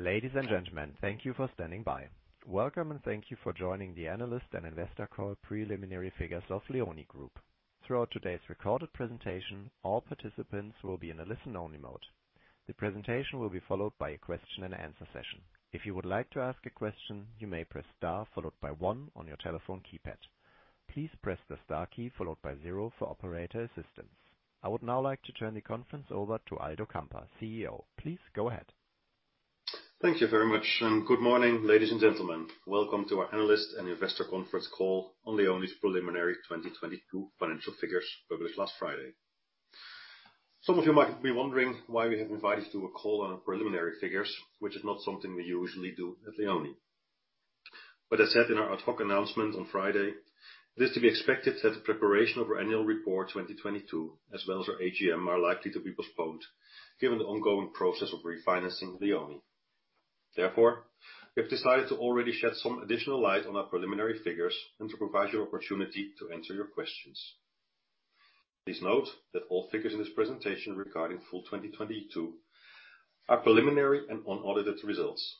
Ladies and gentlemen, thank you for standing by. Welcome, and thank you for joining the analyst and investor call preliminary figures of LEONI Group. Throughout today's recorded presentation, all participants will be in a listen-only mode. The presentation will be followed by a question and answer session. If you would like to ask a question, you may press star followed by one on your telephone keypad. Please press the star key followed by zero for operator assistance. I would now like to turn the conference over to Aldo Kamper, CEO. Please go ahead. Thank you very much, good morning, ladies and gentlemen. Welcome to our analyst and investor conference call on LEONI's preliminary 2022 financial figures published last Friday. Some of you might be wondering why we have invited to a call on our preliminary figures, which is not something we usually do at LEONI. As said in our ad hoc announcement on Friday, it is to be expected that the preparation of our annual report 2022, as well as our AGM, are likely to be postponed given the ongoing process of refinancing LEONI. We have decided to already shed some additional light on our preliminary figures and to provide you an opportunity to answer your questions. Please note that all figures in this presentation regarding full 2022 are preliminary and unaudited results.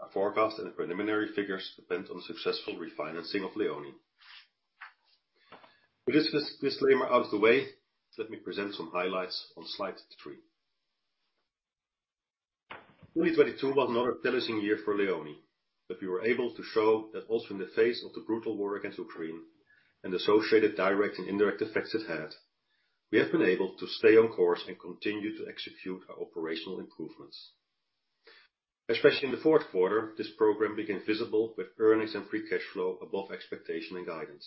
Our forecast and the preliminary figures depend on the successful refinancing of LEONI. With this disclaimer out of the way, let me present some highlights on slide three. 2022 was another challenging year for LEONI, but we were able to show that also in the face of the brutal war against Ukraine and associated direct and indirect effects it had, we have been able to stay on course and continue to execute our operational improvements. Especially in the 4th quarter, this program became visible with earnings and free cash flow above expectation and guidance.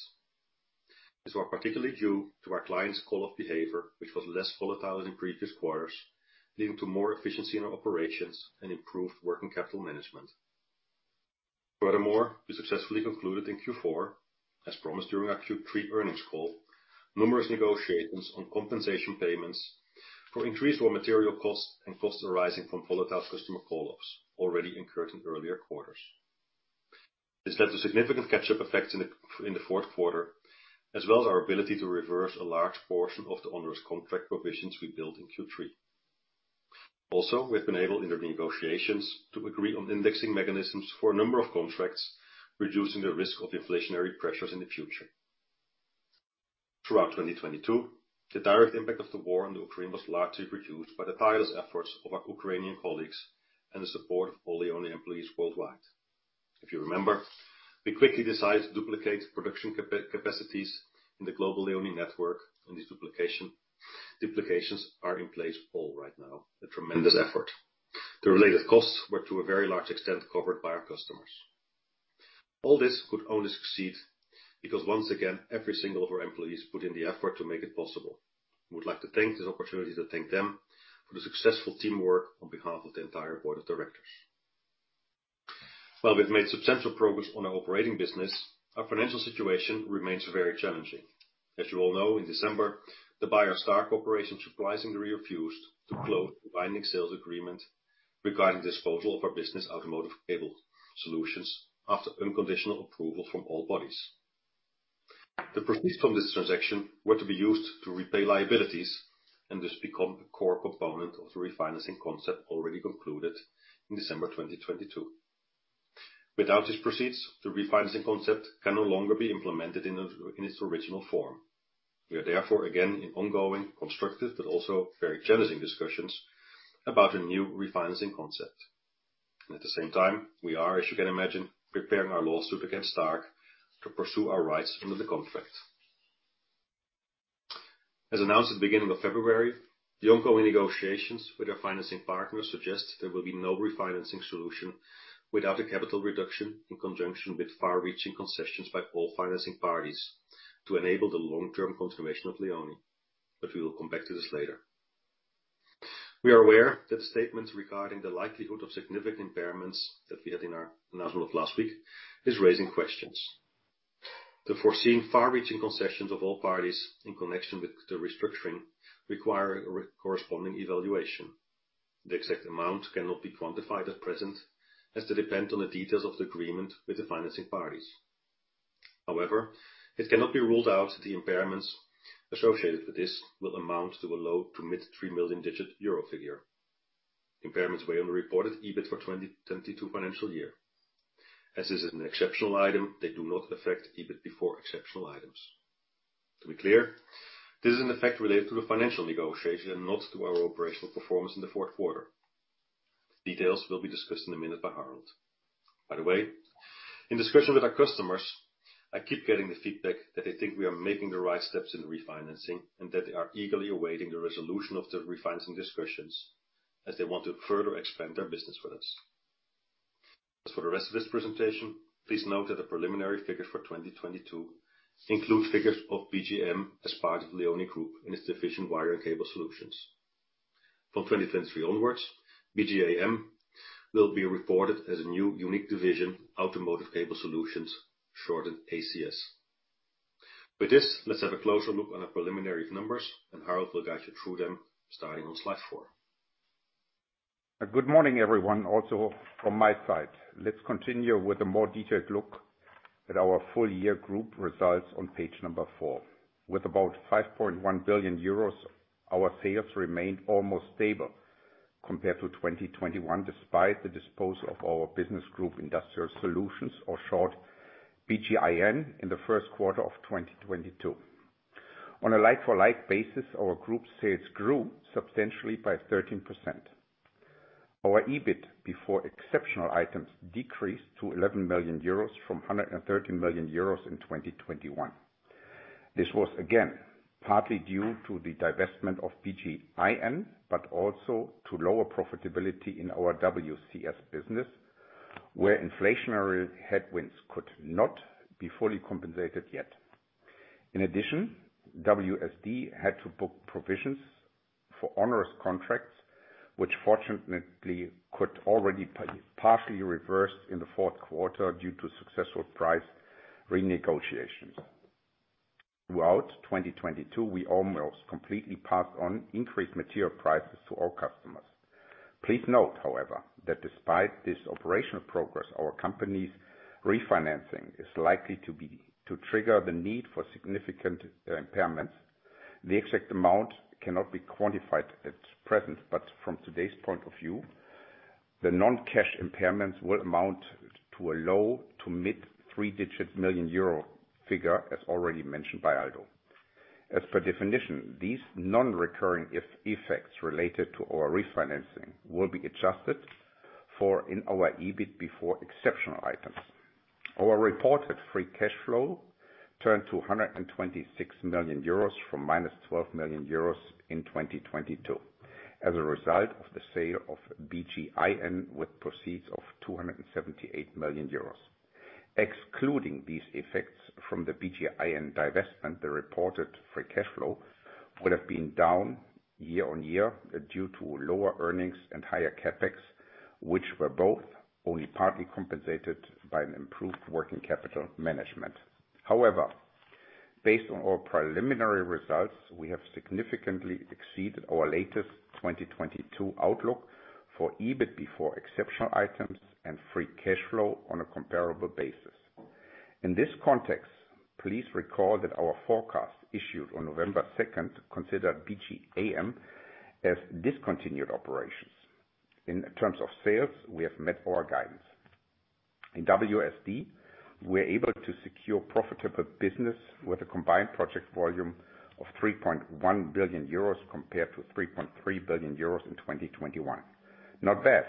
These were particularly due to our clients' call-off behavior, which was less volatile than previous quarters, leading to more efficiency in our operations and improved working capital management. Furthermore, we successfully concluded in Q4, as promised during our Q3 earnings call, numerous negotiations on compensation payments for increased raw material costs and costs arising from volatile customer call-offs already incurred in earlier quarters. This led to significant catch-up effects in the 4th quarter, as well as our ability to reverse a large portion of the onerous contract provisions we built in Q3. We have been able in their negotiations to agree on indexing mechanisms for a number of contracts, reducing the risk of inflationary pressures in the future. Throughout 2022, the direct impact of the war on Ukraine was largely reduced by the tireless efforts of our Ukrainian colleagues and the support of all LEONI employees worldwide. If you remember, we quickly decided to duplicate production capacities in the global LEONI network, and these duplications are in place all right now, a tremendous effort. The related costs were to a very large extent covered by our customers. All this could only succeed because once again, every single of our employees put in the effort to make it possible. We would like to take this opportunity to thank them for the successful teamwork on behalf of the entire board of directors. While we've made substantial progress on our operating business, our financial situation remains very challenging. As you all know, in December, the buyer Stark Corporation surprisingly refused to close the binding sales agreement regarding disposal of our business Automotive Cable Solutions after unconditional approval from all bodies. The proceeds from this transaction were to be used to repay liabilities and this become a core component of the refinancing concept already concluded in December 2022. Without these proceeds, the refinancing concept can no longer be implemented in its original form. We are therefore again in ongoing constructive but also very challenging discussions about a new refinancing concept. At the same time, we are, as you can imagine, preparing our lawsuit against Stark to pursue our rights under the contract. As announced at the beginning of February, the ongoing negotiations with our financing partners suggest there will be no refinancing solution without a capital reduction in conjunction with far-reaching concessions by all financing parties to enable the long-term continuation of LEONI. We will come back to this later. We are aware that the statements regarding the likelihood of significant impairments that we had in our announcement last week is raising questions. The foreseen far-reaching concessions of all parties in connection with the restructuring require a corresponding evaluation. The exact amount cannot be quantified at present as they depend on the details of the agreement with the financing parties. However, it cannot be ruled out that the impairments associated with this will amount to a low to mid three million digit EUR figure. Impairments were on the reported EBIT for 2022 financial year. As this is an exceptional item, they do not affect EBIT before exceptional items. To be clear, this is an effect related to the financial negotiation and not to our operational performance in the fourth quarter. Details will be discussed in a minute by Harald. By the way, in discussion with our customers, I keep getting the feedback that they think we are making the right steps in refinancing, and that they are eagerly awaiting the resolution of the refinancing discussions as they want to further expand their business with us. As for the rest of this presentation, please note that the preliminary figures for 2022 include figures of BG AM as part of LEONI Group in its division Wire and Cable Solutions. From 2023 onwards, BG AM will be reported as a new unique division, Automotive Cable Solutions, shortened ACS. With this, let's have a closer look on the preliminary numbers. Harald will guide you through them starting on slide four. Good morning, everyone. Also from my side, let's continue with a more detailed look. At our full year group results on page 4. With about 5.1 billion euros, our sales remained almost stable compared to 2021, despite the disposal of our Business Group Industrial Solutions, or short BGIN, in the first quarter of 2022. On a like-for-like basis, our group sales grew substantially by 13%. Our EBIT before exceptional items decreased to 11 million euros from 113 million euros in 2021. This was again, partly due to the divestment of BGIN, but also to lower profitability in our WCS business, where inflationary headwinds could not be fully compensated yet. WSD had to book provisions for onerous contracts, which fortunately could already partially reverse in the fourth quarter due to successful price renegotiations. Throughout 2022, we almost completely passed on increased material prices to all customers. Note, however, that despite this operational progress, our company's refinancing is likely to trigger the need for significant impairments. The exact amount cannot be quantified at present, but from today's point of view, the non-cash impairments will amount to a low to mid three-digit million euro figure, as already mentioned by Aldo. As per definition, these non-recurring effects related to our refinancing will be adjusted for in our EBIT before exceptional items. Our reported free cash flow turned to 126 million euros from minus 12 million euros in 2022, as a result of the sale of BGIN with proceeds of 278 million euros. Excluding these effects from the BGIN divestment, the reported free cash flow would have been down year-on-year due to lower earnings and higher CapEx, which were both only partly compensated by an improved working capital management. Based on our preliminary results, we have significantly exceeded our latest 2022 outlook for EBIT before exceptional items and free cash flow on a comparable basis. In this context, please recall that our forecast issued on November second considered BG AM as discontinued operations. In terms of sales, we have met our guidance. In WSD, we're able to secure profitable business with a combined project volume of 3.1 billion euros compared to 3.3 billion euros in 2021. Not bad,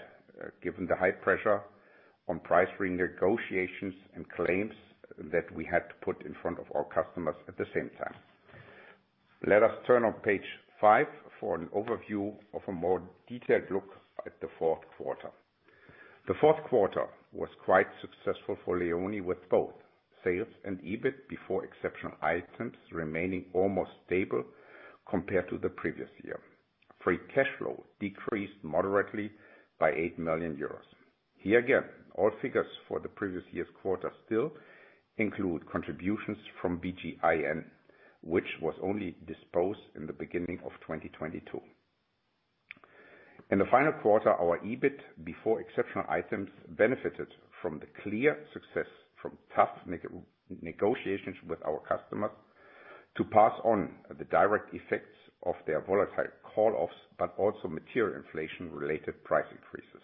given the high pressure on price renegotiations and claims that we had to put in front of our customers at the same time. Let us turn on page 5 for an overview of a more detailed look at the fourth quarter. The fourth quarter was quite successful for LEONI, with both sales and EBIT before exceptional items remaining almost stable compared to the previous year. Free cash flow decreased moderately by eight million euros. Here again, all figures for the previous year's quarter still include contributions from BGIN, which was only disposed in the beginning of 2022. In the final quarter, our EBIT before exceptional items benefited from the clear success from tough negotiations with our customers to pass on the direct effects of their volatile call offs, but also material inflation-related price increases.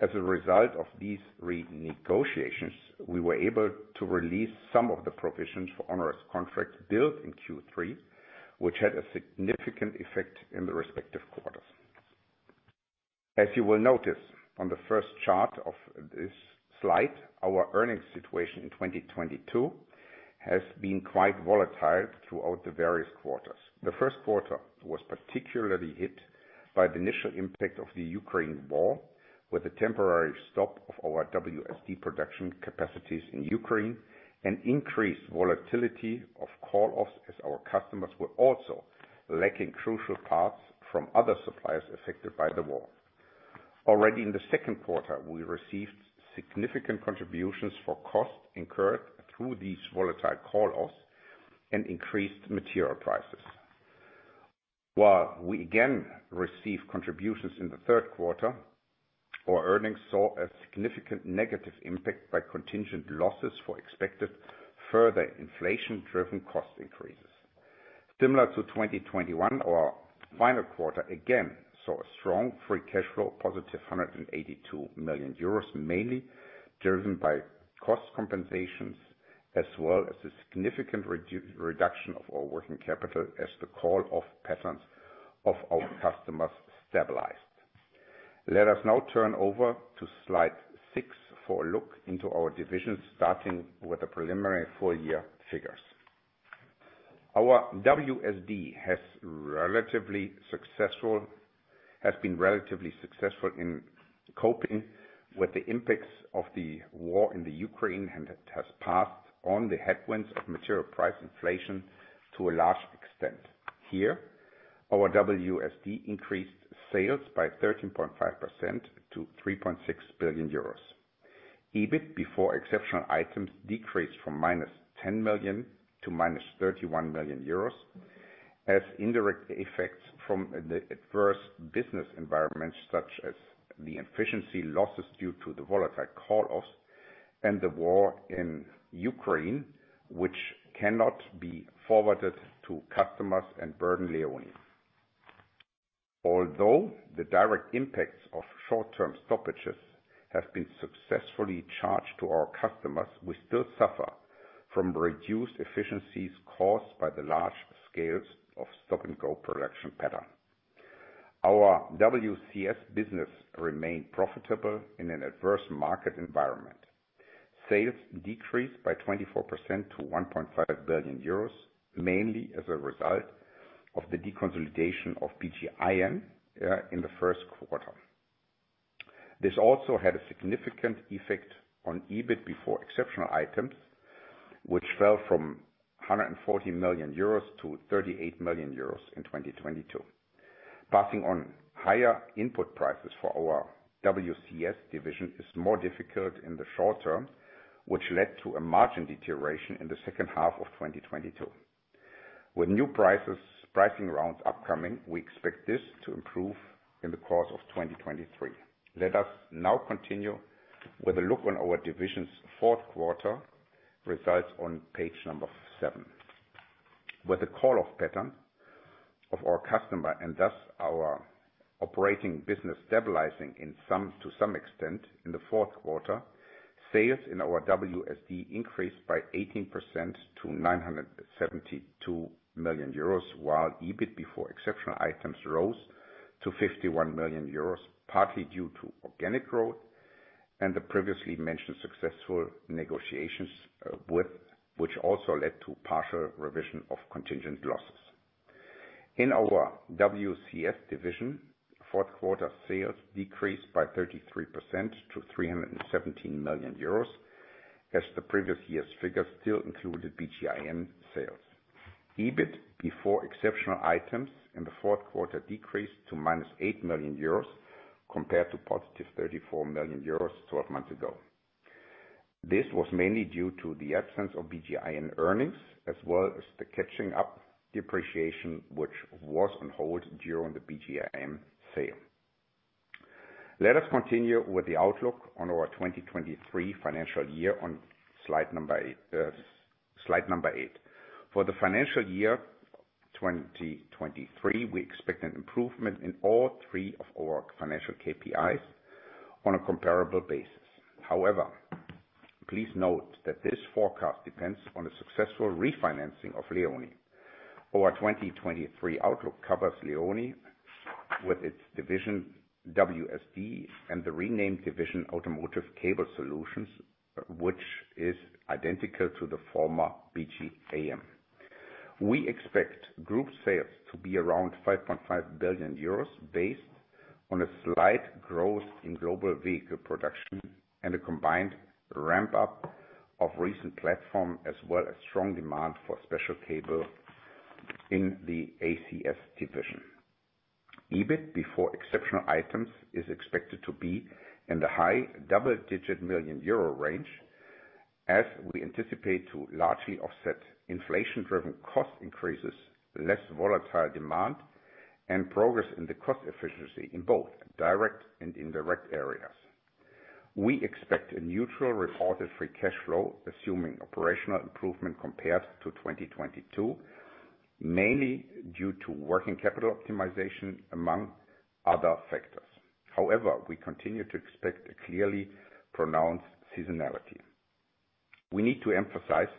As a result of these renegotiations, we were able to release some of the provisions for onerous contracts built in Q3, which had a significant effect in the respective quarters. As you will notice on the first chart of this slide, our earnings situation in 2022 has been quite volatile throughout the various quarters. The first quarter was particularly hit by the initial impact of the Ukraine war, with a temporary stop of our WSD production capacities in Ukraine and increased volatility of call offs as our customers were also lacking crucial parts from other suppliers affected by the war. Already in the second quarter, we received significant contributions for costs incurred through these volatile call offs and increased material prices. While we again receive contributions in the third quarter, our earnings saw a significant negative impact by contingent losses for expected further inflation-driven cost increases. Similar to 2021, our final quarter again saw a strong free cash flow, positive 182 million euros, mainly driven by cost compensations as well as a significant reduction of our working capital as the call off patterns of our customers stabilized. Let us now turn over to Slide six for a look into our divisions, starting with the preliminary full year figures. Our WSD has been relatively successful in coping with the impacts of the war in the Ukraine and has passed on the headwinds of material price inflation to a large extent. Here, our WSD increased sales by 13.5% to 3.6 billion euros. EBIT before exceptional items decreased from minus 10 million to minus 31 million euros. As indirect effects from the adverse business environment, such as the efficiency losses due to the volatile call-offs and the war in Ukraine, which cannot be forwarded to customers and burden LEONI. Although the direct impacts of short-term stoppages have been successfully charged to our customers, we still suffer from reduced efficiencies caused by the large scales of stop-and-go production pattern. Our WCS business remained profitable in an adverse market environment. Sales decreased by 24% to 1.5 billion euros, mainly as a result of the deconsolidation of BGIN in the first quarter. This also had a significant effect on EBIT before exceptional items, which fell from 140 million euros to 38 million euros in 2022. Passing on higher input prices for our WCS division is more difficult in the short term, which led to a margin deterioration in the second half of 2022. With new prices, pricing rounds upcoming, we expect this to improve in the course of 2023. Let us now continue with a look on our division's fourth quarter results on page number 7. With a call-off pattern of our customer, and thus our operating business stabilizing to some extent in the fourth quarter, sales in our WSD increased by 18% to 972 million euros, while EBIT before exceptional items rose to 51 million euros, partly due to organic growth and the previously mentioned successful negotiations, with, which also led to partial revision of contingent losses. In our WCS division, fourth quarter sales decreased by 33% to 317 million euros as the previous year's figures still included BGIN sales. EBIT before exceptional items in the fourth quarter decreased to minus 8 million euros compared to positive 34 million euros 12 months ago. This was mainly due to the absence of BGIN earnings as well as the catching up depreciation, which was on hold during the BGIN sale. Let us continue with the outlook on our 2023 financial year on slide number 8. For the financial year 2023, we expect an improvement in all 3 of our financial KPIs on a comparable basis. However, please note that this forecast depends on a successful refinancing of LEONI. Our 2023 outlook covers LEONI with its division WSD and the renamed division Automotive Cable Solutions, which is identical to the former BG AM. We expect group sales to be around 5.5 billion euros based on a slight growth in global vehicle production and a combined ramp up of recent platform as well as strong demand for special cable in the ACS division. EBIT before exceptional items is expected to be in the high double-digit million EUR range as we anticipate to largely offset inflation-driven cost increases, less volatile demand, and progress in the cost efficiency in both direct and indirect areas. We expect a neutral reported free cash flow, assuming operational improvement compared to 2022, mainly due to working capital optimization among other factors. However, we continue to expect a clearly pronounced seasonality. We need to emphasize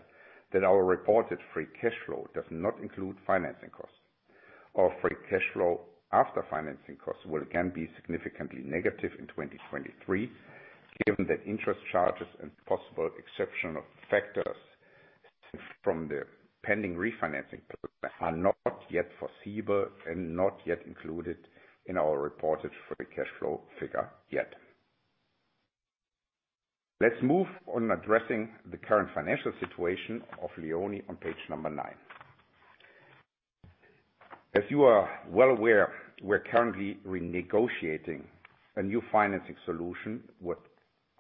that our reported free cash flow does not include financing costs. Our free cash flow after financing costs will again be significantly negative in 2023, given that interest charges and possible exceptional factors from the pending refinancing are not yet foreseeable and not yet included in our reported free cash flow figure yet. Let's move on addressing the current financial situation of LEONI on page number nine. As you are well aware, we're currently renegotiating a new financing solution with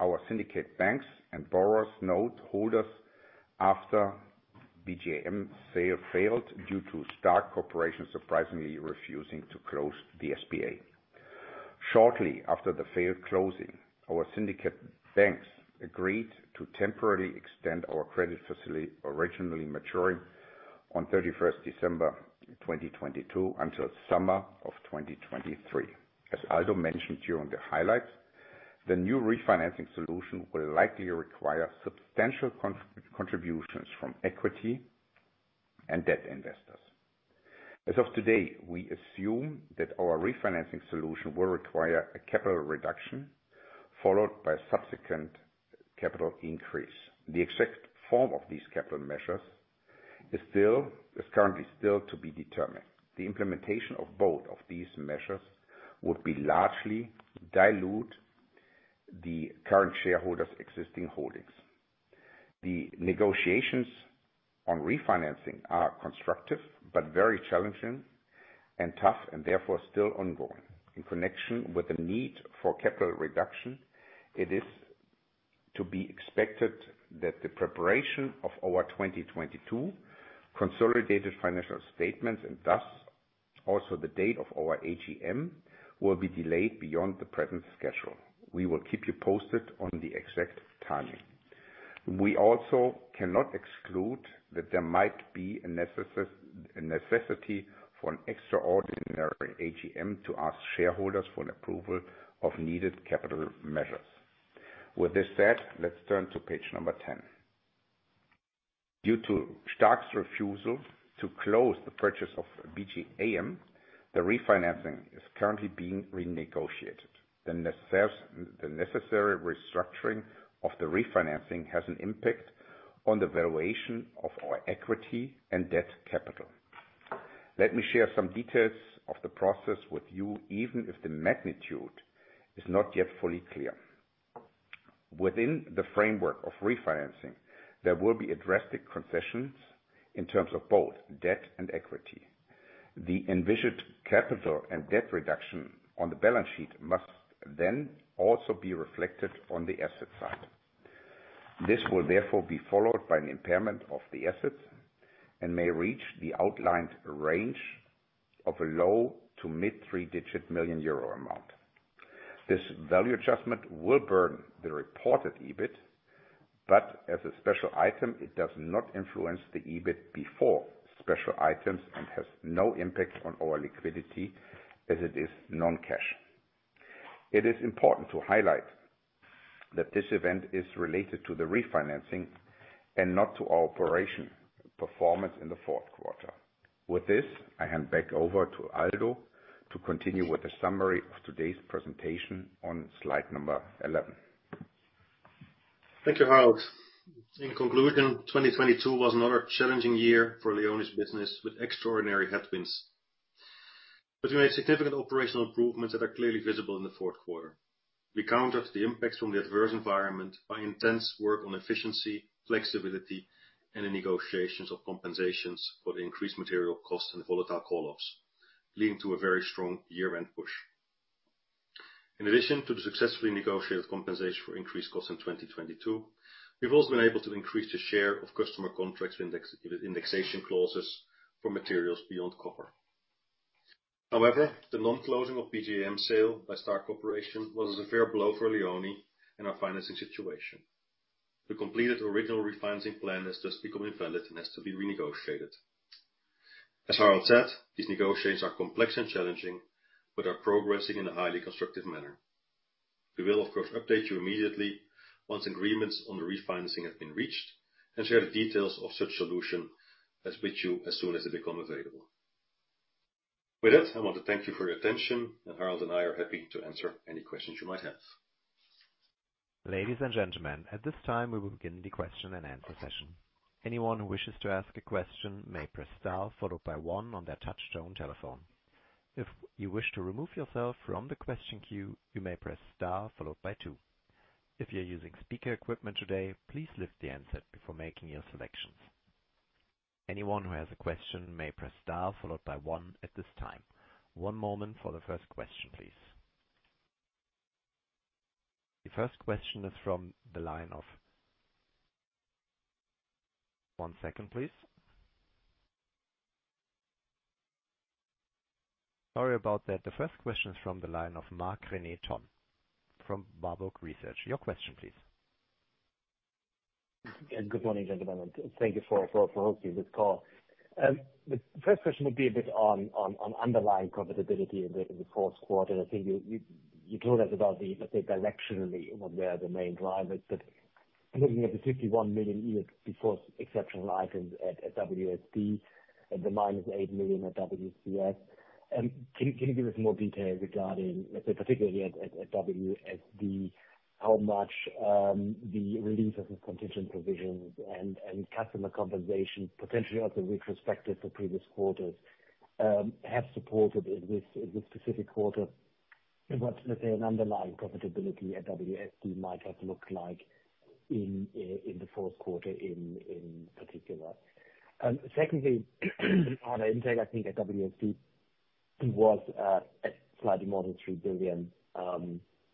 our syndicate banks and borrowers note holders after BG AM sale failed due to Stark Corporation surprisingly refusing to close the SPA. Shortly after the failed closing, our syndicate banks agreed to temporarily extend our credit facility originally maturing on 31st December 2022 until summer of 2023. As Aldo mentioned during the highlights, the new refinancing solution will likely require substantial contributions from equity and debt investors. As of today, we assume that our refinancing solution will require a capital reduction followed by subsequent capital increase. The exact form of these capital measures is currently still to be determined. The implementation of both of these measures would be largely dilute the current shareholders' existing holdings. The negotiations on refinancing are constructive but very challenging and tough and therefore still ongoing. In connection with the need for capital reduction, to be expected that the preparation of our 2022 consolidated financial statements, and thus also the date of our AGM, will be delayed beyond the present schedule. We will keep you posted on the exact timing. We also cannot exclude that there might be a necessity for an extraordinary AGM to ask shareholders for an approval of needed capital measures. With this said, let's turn to page number 10. Due to Stark's refusal to close the purchase of BG AM, the refinancing is currently being renegotiated. The necessary restructuring of the refinancing has an impact on the valuation of our equity and debt capital. Let me share some details of the process with you, even if the magnitude is not yet fully clear. Within the framework of refinancing, there will be drastic concessions in terms of both debt and equity. The envisioned capital and debt reduction on the balance sheet must then also be reflected on the asset side. This will therefore be followed by an impairment of the assets and may reach the outlined range of a low to mid-three digit million EUR amount. This value adjustment will burn the reported EBIT. As a special item, it does not influence the EBIT before special items and has no impact on our liquidity as it is non-cash. It is important to highlight that this event is related to the refinancing and not to our operation performance in the fourth quarter. With this, I hand back over to Aldo to continue with a summary of today's presentation on slide number 11. Thank you, Harald. In conclusion, 2022 was another challenging year for LEONI's business with extraordinary headwinds. We made significant operational improvements that are clearly visible in the fourth quarter. We countered the impacts from the adverse environment by intense work on efficiency, flexibility, and the negotiations of compensations for the increased material costs and volatile call ups, leading to a very strong year-end push. In addition to the successfully negotiated compensation for increased costs in 2022, we've also been able to increase the share of customer contracts with indexation clauses for materials beyond copper. The non-closing of BG AM sale by Stark Corporation was a severe blow for LEONI and our financing situation. The completed original refinancing plan has thus become invalid and has to be renegotiated. As Harald said, these negotiations are complex and challenging, but are progressing in a highly constructive manner. We will, of course, update you immediately once agreements on the refinancing have been reached. Share the details of such solution as with you as soon as they become available. With that, I want to thank you for your attention. Harald and I are happy to answer any questions you might have. Ladies and gentlemen, at this time, we will begin the question and answer session. Anyone who wishes to ask a question may press star followed by one on their touchtone telephone. If you wish to remove yourself from the question queue, you may press star followed by two. If you're using speaker equipment today, please lift the handset before making your selections. Anyone who has a question may press star followed by one at this time. One moment for the first question, please. The first question is from the line of... One second, please. Sorry about that. The first question is from the line of Marc-René Tonn from Warburg Research. Your question, please. Good morning, gentlemen. Thank you for hosting this call. The first question would be a bit on underlying profitability in the fourth quarter. I think you told us about the, let's say, directionally what were the main drivers, but looking at the 51 million EBIT before exceptional items at WSD and the minus 8 million at WCS, can you give us more detail regarding, let's say, particularly at WSD, how much the release of the contingent provisions and customer compensation, potentially also retrospective for previous quarters, have supported in this specific quarter? What, let's say, an underlying profitability at WSD might have looked like in the fourth quarter in particular? Secondly, order intake, I think at WSD was slightly more than 3 billion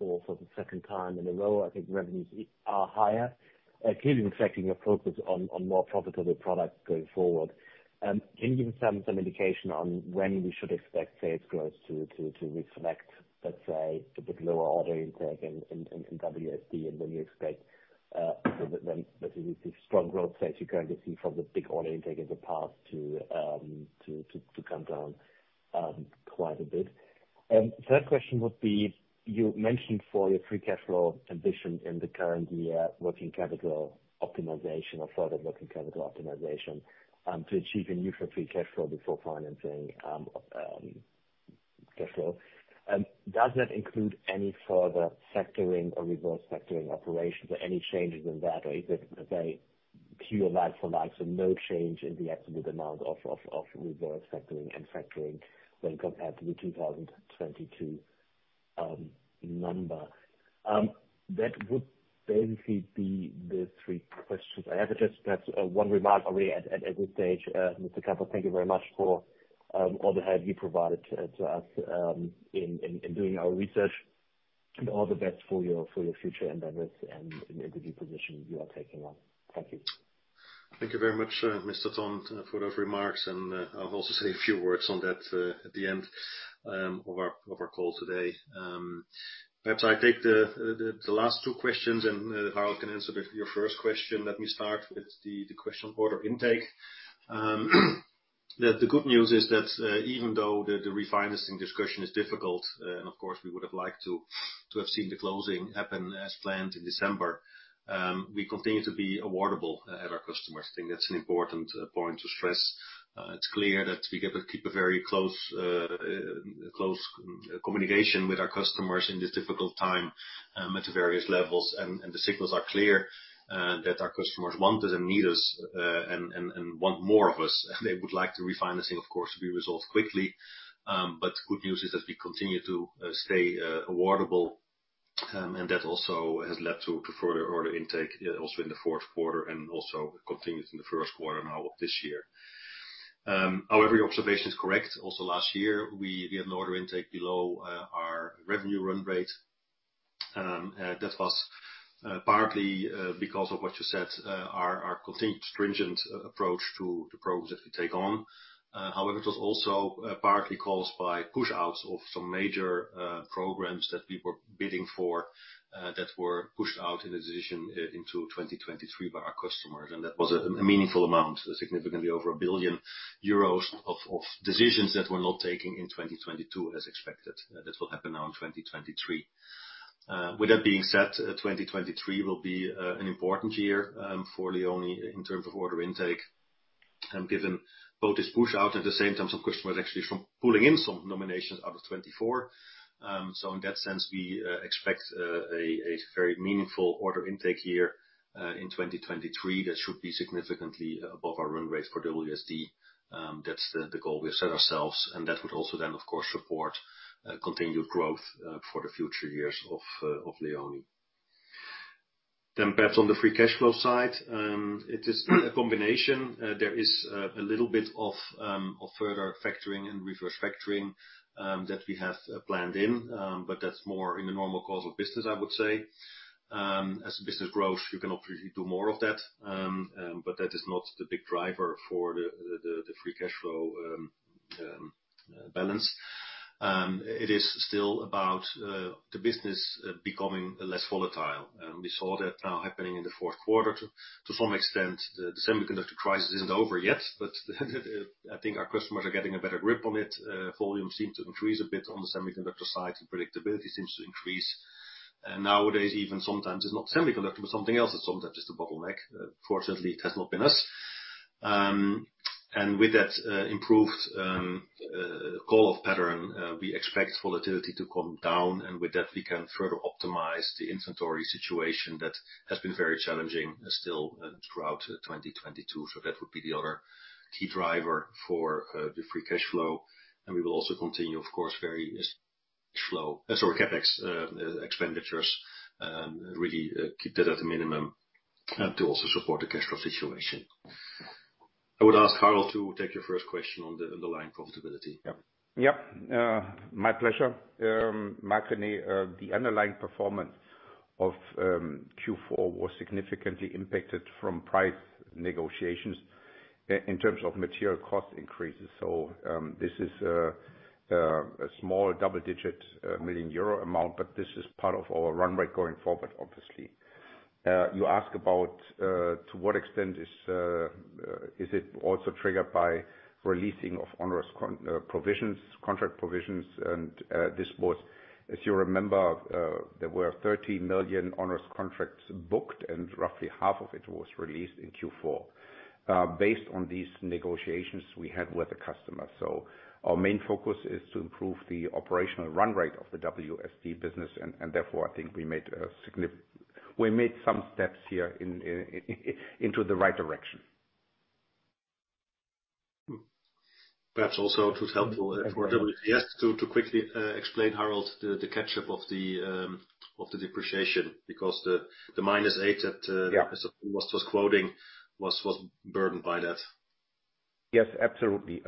for sort of second time in a row. I think revenues are higher. Clearly reflecting a focus on more profitable products going forward. Can you give some indication on when we should expect sales growth to reflect, let's say, the lower order intake in WSD? And when you expect, when, let's say, the strong growth that you currently see from the big order intake in the past to come down quite a bit. Third question would be, you mentioned for your free cash flow ambition in the current year working capital optimization or further working capital optimization to achieve a new free cash flow before financing cash flow. Does that include any further factoring or reverse factoring operations or any changes in that? Or is it, let's say, pure like for like, so no change in the absolute amount of reverse factoring and factoring when compared to the 2022 number? That would basically be the three questions. I have just perhaps one remark only at this stage. Mr. Kamper, thank you very much for all the help you provided to us in doing our research. All the best for your future endeavors and in the new position you are taking on. Thank you. Thank you very much, Mr. Tonn, for those remarks. I'll also say a few words on that at the end of our call today. Perhaps I take the last two questions. Harald can answer your first question. Let me start with the question of order intake. The good news is that even though the refinancing discussion is difficult, and of course, we would have liked to have seen the closing happen as planned in December, we continue to be awardable at our customers. Think that's an important point to stress. It's clear that we get to keep a very close communication with our customers in this difficult time at various levels. The signals are clear that our customers want and need us and want more of us. They would like the refinancing, of course, to be resolved quickly. Good news is that we continue to stay awardable. That also has led to further order intake, also in the fourth quarter, and also continues in the first quarter now of this year. However, your observation is correct. Also last year, we had an order intake below our revenue run rate. That was partly because of what you said, our continued stringent approach to the programs that we take on. However, it was also partly caused by pushouts of some major programs that we were bidding for, that were pushed out in a decision into 2023 by our customers. That was a meaningful amount, significantly over 1 billion euros of decisions that were not taken in 2022 as expected. That will happen now in 2023. With that being said, 2023 will be an important year for LEONI in terms of order intake, given both this push out, at the same time some customers actually pulling in some nominations out of 2024. In that sense, we expect a very meaningful order intake year in 2023 that should be significantly above our run rate for WSD. That's the goal we've set ourselves, and that would also then, of course, support continued growth for the future years of LEONI. Perhaps on the free cash flow side, it is a combination. There is a little bit of further factoring and reverse factoring that we have planned in, but that's more in the normal course of business, I would say. As the business grows, you can obviously do more of that, but that is not the big driver for the free cash flow balance. It is still about the business becoming less volatile. We saw that now happening in the fourth quarter to some extent. The semiconductor crisis isn't over yet, but I think our customers are getting a better grip on it. Volume seemed to increase a bit on the semiconductor side, and predictability seems to increase. Nowadays even sometimes it's not semiconductor, but something else. It's sometimes just a bottleneck. Fortunately, it has not been us. With that, improved call-off pattern, we expect volatility to come down, and with that, we can further optimize the inventory situation that has been very challenging still throughout 2022. That would be the other key driver for the free cash flow. We will also continue, of course, very sorry, CapEx expenditures, really keep that at a minimum, to also support the cash flow situation. I would ask Harold to take your first question on the underlying profitability. Yep. My pleasure. Marc, the underlying performance of Q4 was significantly impacted from price negotiations in terms of material cost increases. This is a small double-digit million euro amount, but this is part of our run rate going forward, obviously. You ask about to what extent is it also triggered by releasing of onerous contract provisions. This was, if you remember, there were 13 million onerous contracts booked, and roughly half of it was released in Q4 based on these negotiations we had with the customer. Our main focus is to improve the operational run rate of the WSD business and therefore, I think we made some steps here into the right direction. Perhaps also it was helpful for WCS to quickly explain, Harold, the catch-up of the depreciation because the minus 8 that... Yeah. Was quoting was burdened by that. Yes, absolutely.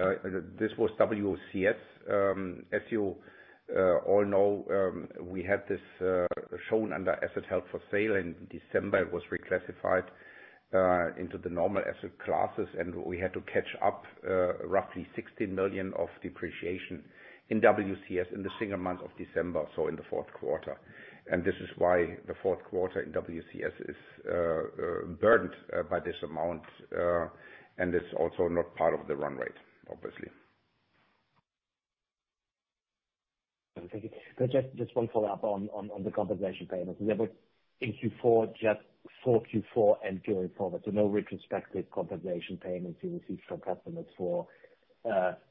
This was WCS. As you all know, we had this shown under asset held for sale in December. It was reclassified into the normal asset classes, and we had to catch up roughly 16 million of depreciation in WCS in the single month of December, so in the fourth quarter. This is why the fourth quarter in WCS is burdened by this amount, and it's also not part of the run rate, obviously. Thank you. Could you just one follow-up on the compensation payment. We have a Q4, just for Q4 and going forward. No retrospective compensation payments you received from customers for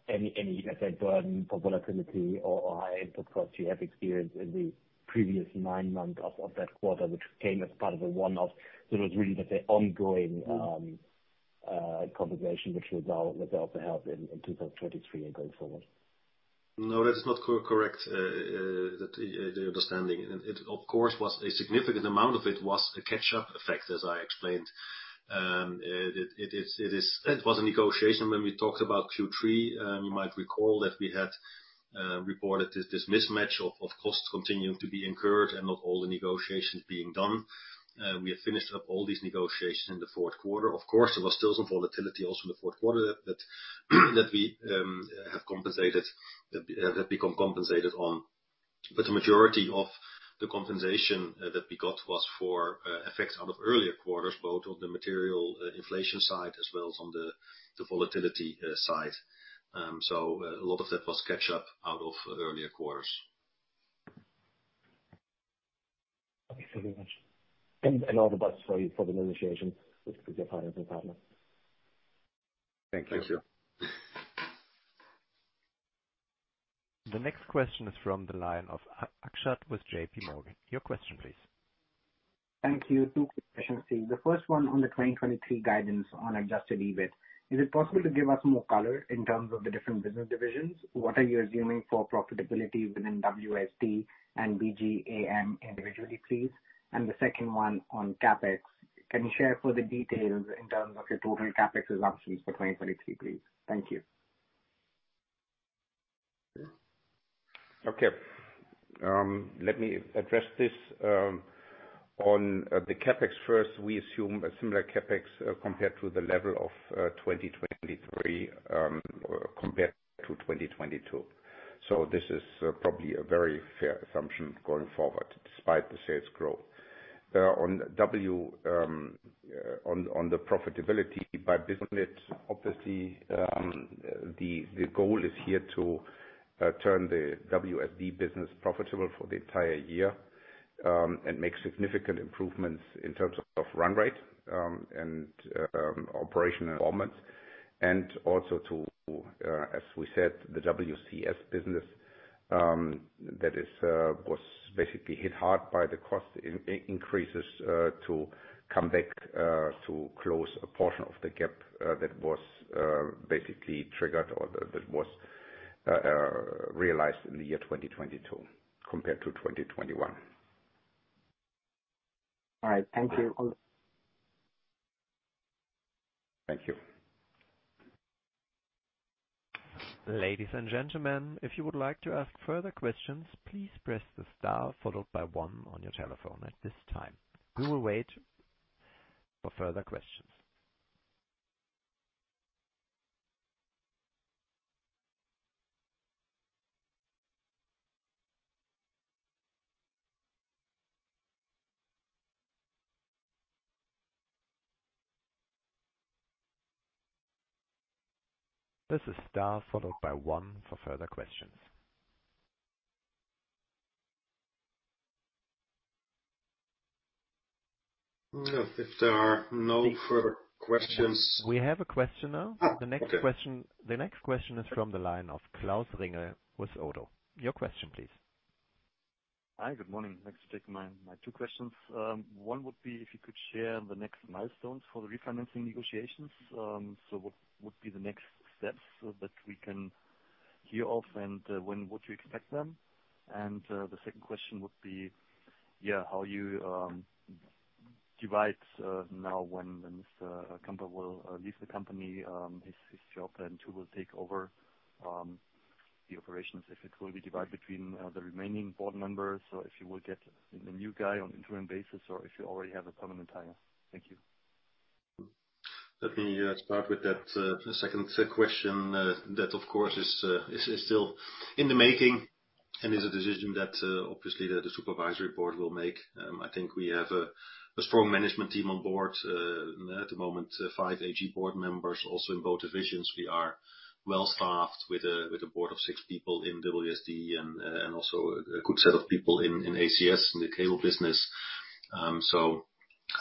any, let's say, burden for volatility or high input costs you have experienced in the previous nine months of that quarter, which came as part of a one-off. It was really just the ongoing compensation which will now, which will also help in 2023 and going forward. No, that is not correct, that the understanding. It, of course, was a significant amount of it was a catch-up effect, as I explained. It was a negotiation when we talked about Q3. You might recall that we had reported this mismatch of costs continuing to be incurred and not all the negotiations being done. We have finished up all these negotiations in the fourth quarter. Of course, there was still some volatility also in the fourth quarter that we have compensated, that we can compensated on. The majority of the compensation that we got was for effects out of earlier quarters, both on the material inflation side as well as on the volatility side. A lot of that was catch up out of earlier quarters. Okay. Thank you very much. And all the best for the negotiations with your partners. Thank you. Thank you. The next question is from the line of Akshat with J.P. Morgan. Your question please. Thank you. 2 quick questions, please. The first one on the 2023 guidance on adjusted EBIT. Is it possible to give us more color in terms of the different business divisions? What are you assuming for profitability within WSD and BG AM individually, please? The second one on CapEx. Can you share further details in terms of your total CapEx assumptions for 2023, please? Thank you. Okay. Let me address this on the CapEx first. We assume a similar CapEx compared to the level of 2023 compared to 2022. This is probably a very fair assumption going forward despite the sales growth. On the profitability by business, obviously, the goal is here to turn the WSD business profitable for the entire year and make significant improvements in terms of run rate and operational performance. Also to, as we said, the WCS business that was basically hit hard by the cost increases, to come back to close a portion of the gap that was basically triggered or that was realized in the year 2022 compared to 2021. All right. Thank you. Thank you. Ladies and gentlemen, if you would like to ask further questions, please press the star followed by one on your telephone at this time. We will wait for further questions. This is star followed by one for further questions. If there are no further questions. We have a question now. Oh, okay. The next question is from the line of Klaus Ringer with Oddo. Your question please. Hi, good morning. Thanks. Take my two questions. One would be if you could share the next milestones for the refinancing negotiations. What would be the next steps that we can hear of and when would you expect them? The second question would be how you divide now when Mr. Kamper will leave the company his job, and who will take over the operations, if it will be divided between the remaining board members, or if you will get a new guy on interim basis or if you already have a permanent hire? Thank you. Let me start with that second question. That of course is still in the making and is a decision that obviously the supervisory board will make. I think we have a strong management team on board. At the moment, five AG board members also in both divisions. We are well staffed with a board of six people in WSD and also a good set of people in ACS in the cable business.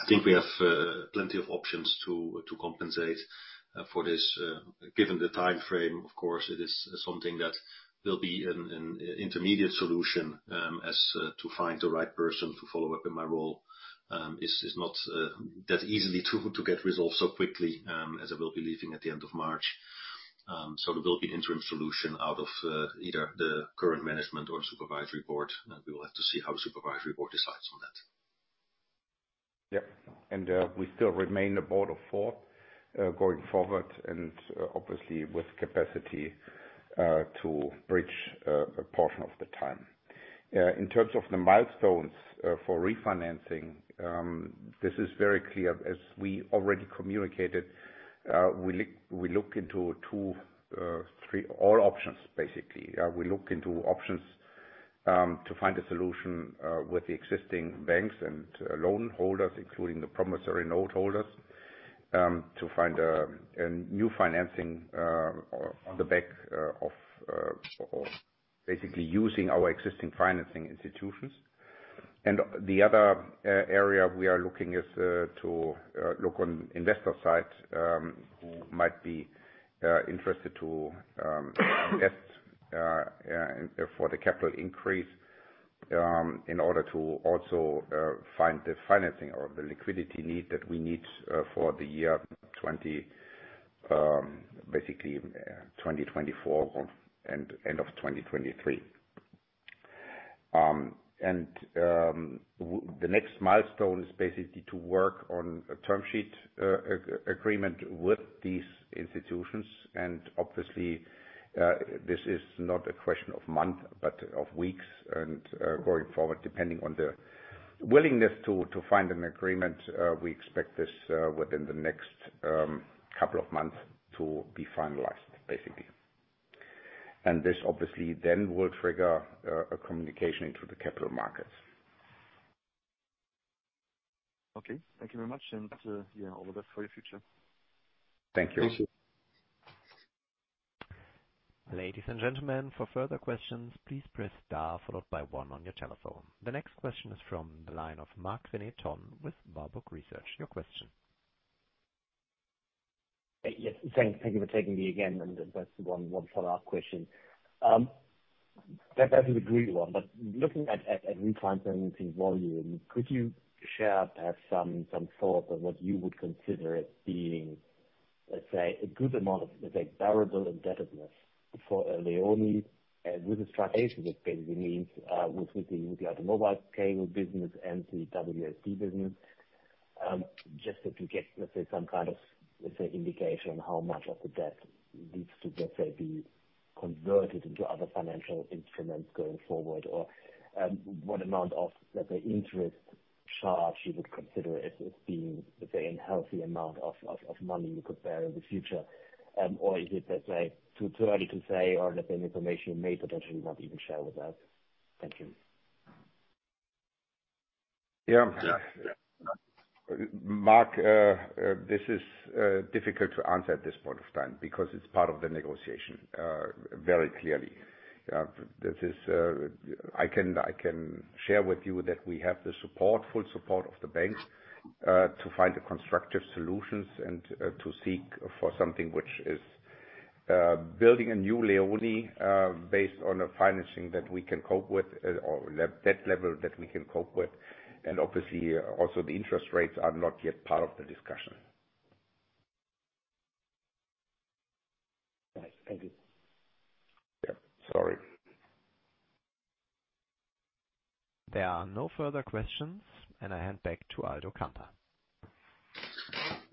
I think we have plenty of options to compensate for this. Given the time frame, of course, it is something that will be an intermediate solution, as to find the right person to follow up in my role, is not that easy to get resolved so quickly, as I will be leaving at the end of March. There will be interim solution out of either the current management or supervisory board, and we will have to see how supervisory board decides on that. Yeah. We still remain a board of four going forward and obviously with capacity to bridge a portion of the time. In terms of the milestones for refinancing, this is very clear. As we already communicated, we look into two, three... all options, basically. We look into options to find a solution with the existing banks and loan holders, including the promissory note holders, to find a new financing on the back of basically using our existing financing institutions. The other area we are looking is to look on investor side, who might be interested to invest for the capital increase, in order to also find the financing or the liquidity need that we need for the year 2024 and end of 2023. The next milestone is basically to work on a term sheet agreement with these institutions. Obviously, this is not a question of month, but of weeks and, going forward, depending on the Willingness to find an agreement, we expect this within the next couple of months to be finalized, basically. This obviously then will trigger a communication into the capital markets. Okay. Thank you very much and, yeah, all the best for your future. Thank you. Thank you. Ladies and gentlemen, for further questions, please press star followed by one on your telephone. The next question is from the line of Marc-René Tonn with Warburg Research. Your question. Yes. Thank, thank you for taking me again. Just 1 follow-up question. That doesn't agree with 1, but looking at refinancing volume, could you share perhaps some thoughts on what you would consider it being, let's say, a good amount of, let's say, bearable indebtedness for LEONI and with the strategy, which basically means, with the automotive cable business and the WSD business. Just so we get, let's say, some kind of, let's say, indication how much of the debt needs to, let's say, be converted into other financial instruments going forward or, what amount of, let's say, interest charge you would consider as being, let's say, a healthy amount of money you could bear in the future. Is it, let's say, too early to say or that the information you may potentially not even share with us? Thank you. Marc, this is difficult to answer at this point of time because it's part of the negotiation, very clearly. I can share with you that we have the support, full support of the banks, to find a constructive solutions and to seek for something which is building a new LEONI, based on a financing that we can cope with or debt level that we can cope with. Obviously, also the interest rates are not yet part of the discussion. Right. Thank you. Yeah. Sorry. There are no further questions, and I hand back to Aldo Kamper.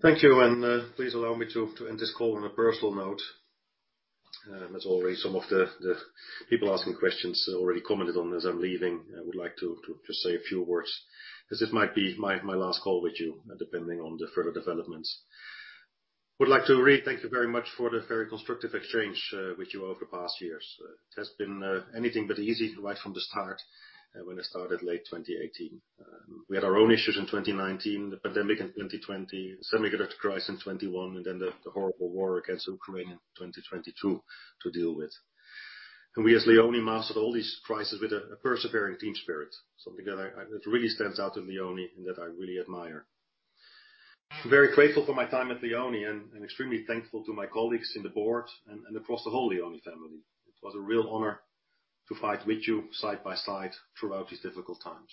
Thank you. Please allow me to end this call on a personal note. As already some of the people asking questions already commented on as I'm leaving, I would like to just say a few words as this might be my last call with you, depending on the further developments. Would like to really thank you very much for the very constructive exchange with you over the past years. It has been anything but easy right from the start when I started late 2018. We had our own issues in 2019, the pandemic in 2020, semiconductor crisis in 2021, and then the horrible war against Ukraine in 2022 to deal with. We as LEONI mastered all these crises with a persevering team spirit, something that I... That really stands out in LEONI and that I really admire. I'm very grateful for my time at LEONI and extremely thankful to my colleagues in the board and across the whole LEONI family. It was a real honor to fight with you side by side throughout these difficult times.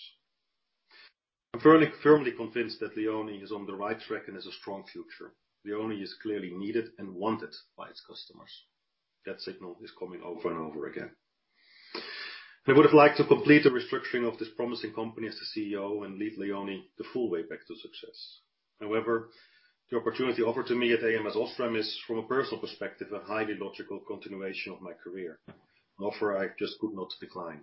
I'm firmly convinced that LEONI is on the right track and has a strong future. LEONI is clearly needed and wanted by its customers. That signal is coming over and over again. I would have liked to complete the restructuring of this promising company as the CEO and lead LEONI the full way back to success. The opportunity offered to me at ams OSRAM is, from a personal perspective, a highly logical continuation of my career, an offer I just could not decline.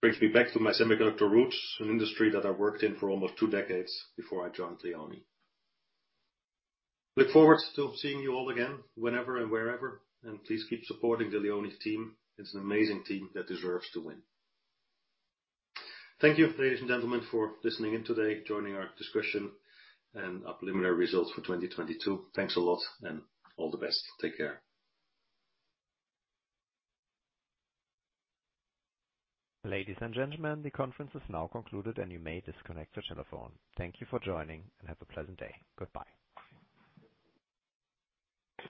Brings me back to my semiconductor roots, an industry that I worked in for almost two decades before I joined LEONI. Look forward to seeing you all again, whenever and wherever, and please keep supporting the LEONI team. It's an amazing team that deserves to win. Thank you, ladies and gentlemen, for listening in today, joining our discussion and our preliminary results for 2022. Thanks a lot and all the best. Take care. Ladies and gentlemen, the conference is now concluded, and you may disconnect your telephone. Thank you for joining, and have a pleasant day. Goodbye.